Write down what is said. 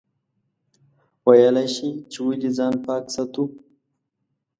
ویلای شئ چې ولې ځان پاک ساتو؟